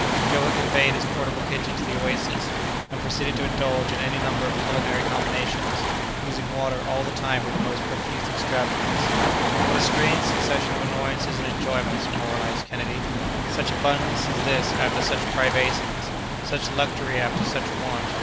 Joe had conveyed his portable kitchen to the oasis, and proceeded to indulge in any number of culinary combinations, using water all the time with the most profuse extravagance. "What a strange succession of annoyances and enjoyments!" moralized Kennedy. "Such abundance as this after such privations; such luxury after such want!